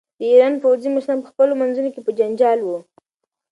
د ایران پوځي مشران په خپلو منځونو کې په جنجال وو.